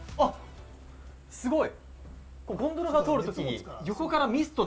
すごい！